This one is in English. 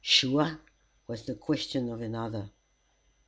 "Sure?" was the question of another.